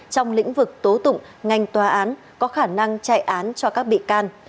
trong lĩnh vực tố tụng ngành tòa án có khả năng chạy án cho các bị can